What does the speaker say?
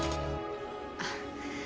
あっ。